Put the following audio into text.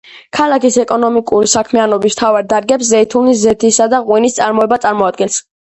ქალაქის ეკონომიკური საქმიანობის მთავარ დარგებს ზეითუნის ზეთისა და ღვინის წარმოება წარმოადგენს.